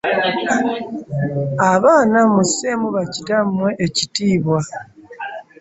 Abaana musseemu ba kitammwe ekitiibwa.